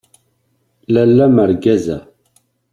Lalla mergaza!